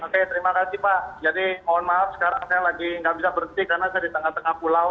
oke terima kasih pak jadi mohon maaf sekarang saya lagi nggak bisa berhenti karena saya di tengah tengah pulau